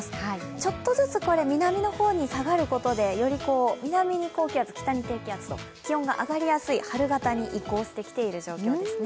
ちょっとずつ南の方に下がることでより南に高気圧、北に低気圧と、気温が上がりやすい春型に移行してきていますね。